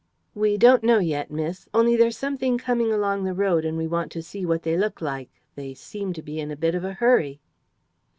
"We don't know yet, miss. Only there's something coming along the road, and we want to see what they look like. They seem to be in a bit of a hurry."